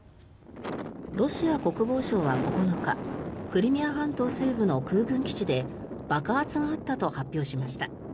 ロシア国防省は９日クリミア半島西部の空軍基地で爆発があったと発表しました。